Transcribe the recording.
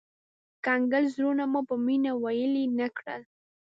کنګل زړونه مو په مينه ويلي نه کړل